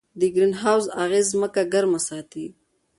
د ګرین هاوس اغېز ځمکه ګرمه ساتي.